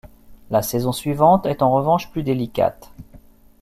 La saison suivante est en revanche plus délicate.